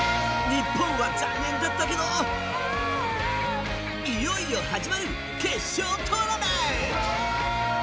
日本は残念だったけどいよいよ始まる決勝トーナメント！